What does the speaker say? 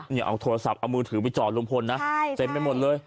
เอาโทรศัพท์เอามือถือไปจอดลุงพลนะเต็มไปหมดเลย